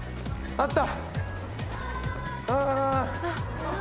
あった。